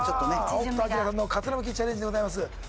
北斗晶さんのかつら剥きチャレンジでございます。